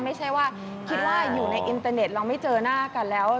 ไม่ใช่ว่าคิดว่าอยู่ในอินเตอร์เน็ตเราไม่เจอหน้ากันแล้ว